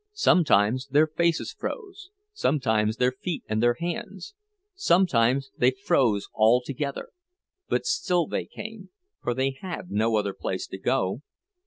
Sometimes their faces froze, sometimes their feet and their hands; sometimes they froze all together—but still they came, for they had no other place to go.